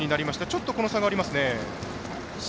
ちょっと差がありますね。